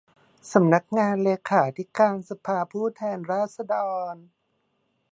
สำนักงานเลขาธิการสภาผู้แทนราษฎร